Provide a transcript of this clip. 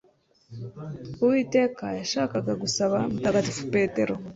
Uwiteka yashakaga gusaba Mutagatifu Petero